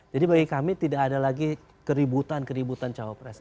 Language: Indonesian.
jadi bagi kami tidak ada lagi keributan keributan cawapres